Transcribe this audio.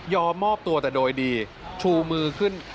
มอบตัวแต่โดยดีชูมือขึ้น